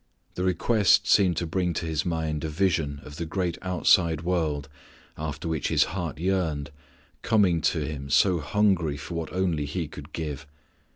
The request seemed to bring to His mind a vision of the great outside world, after which His heart yearned, coming to Him so hungry for what only He could give.